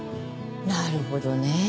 なるほどね。